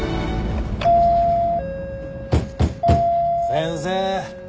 先生！